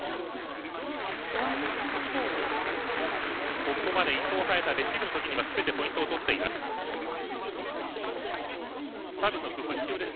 ここまで伊藤、早田レシーブの時にはすべてポイントを取っています。